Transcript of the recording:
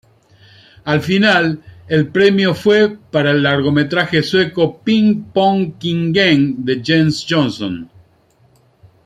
Al final el premio fue para el largometraje sueco "Ping-pongkingen" de Jens Jonsson.